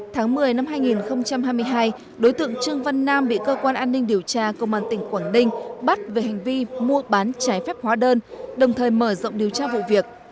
tháng một mươi năm hai nghìn hai mươi hai đối tượng trương văn nam bị cơ quan an ninh điều tra công an tỉnh quảng ninh bắt về hành vi mua bán trái phép hóa đơn đồng thời mở rộng điều tra vụ việc